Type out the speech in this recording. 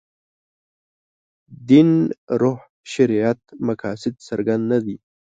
دین روح شریعت مقاصد څرګند نه دي.